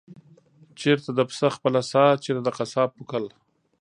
چېرته د پسه خپله ساه، چېرته د قصاب پوکل؟